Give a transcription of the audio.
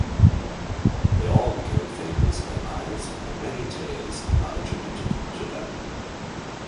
They all became famous in their lives and many tales are attributed to them.